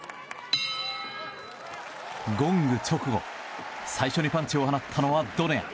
ゴング直後、最初にパンチを放ったのはドネア。